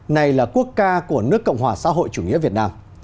này là quốc ca của nước cộng hòa xã hội chủ nghĩa việt nam